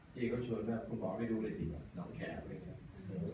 พี่ก็ชวนว่าคุณบอกให้ดูเลยดิน้องแคร์อะไรอย่างเงี้ย